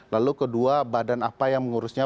lalu kedua badan apa yang mengurusnya